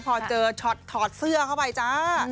พอเจอช็อตถอดเสื้อเข้าไปจ้า